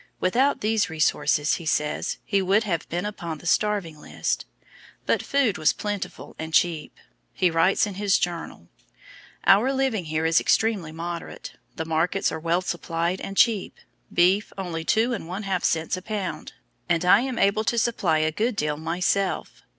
Without these resources, he says, he would have been upon the starving list. But food was plentiful and cheap. He writes in his journal: "Our living here is extremely moderate; the markets are well supplied and cheap, beef only two and one half cents a pound, and I am able to supply a good deal myself.